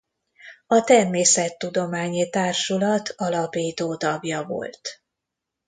A Természettudományi Társulat alapító tagja volt.